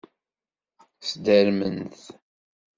Sdermen-t.